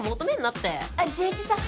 あっ潤一さん